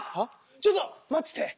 ちょっと待ってて。